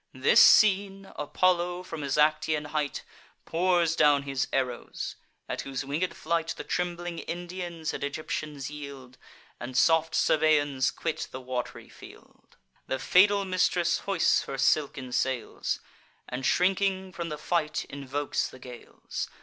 This seen, Apollo, from his Actian height, Pours down his arrows; at whose winged flight The trembling Indians and Egyptians yield, And soft Sabaeans quit the wat'ry field. The fatal mistress hoists her silken sails, And, shrinking from the fight, invokes the gales.